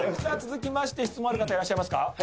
さあ続きまして質問ある方いらっしゃいますか？